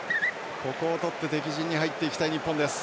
ここをとって敵陣に入っていきたい日本です。